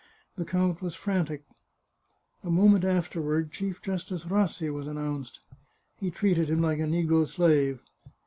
The count was frantic. A moment afterward. Chief Justice Rassi was announced; he treated him like a negro slave.